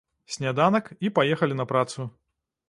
Сняданак, і паехалі на працу.